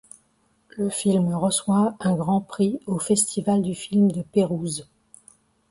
Le film reçoit un Grand Prix au Festival du film de Pérouse.